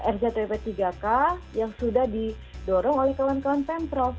rz tw tiga k yang sudah didorong oleh kawan kawan pemprov